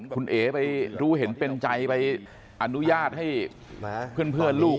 คุณเอ๋ไปรู้เห็นเป็นใจไปอนุญาตให้เพื่อนลูก